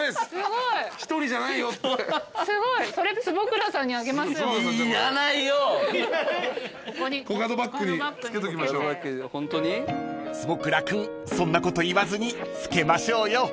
［坪倉君そんなこと言わずに付けましょうよ］